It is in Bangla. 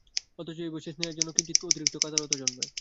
অথচ এই বয়সেই স্নেহের জন্য কিঞ্চিৎ অতিরিক্ত কাতরতা মনে জন্মায়।